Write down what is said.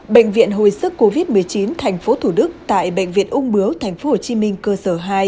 bệnh viện hồi sức covid một mươi chín tp thủ đức tại bệnh viện ung bướu tp hcm cơ sở hai